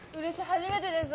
初めてです。